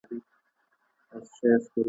د ایران امپراطورۍ په ډېره چټکۍ سره سقوط وکړ.